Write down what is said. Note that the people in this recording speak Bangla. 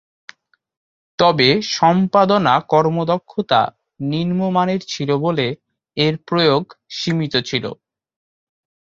তবে সম্পাদনা কর্মদক্ষতা নিম্নমানের ছিল বলে এর প্রয়োগ সীমিত ছিল।